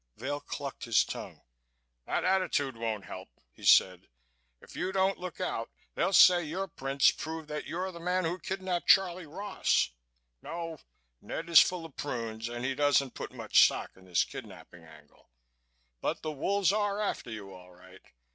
Vail clucked his tongue. "That attitude won't help," he said. "If you don't look out they'll say your prints prove that you're the man who kidnapped Charley Ross. No, Ned is full of prunes and he doesn't put much stock in this kidnapping angle, but the wolves are after you all right.